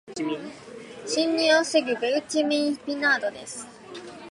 侵入を防ぐベウチェミン・ピナードです。